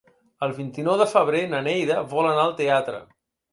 El vint-i-nou de febrer na Neida vol anar al teatre.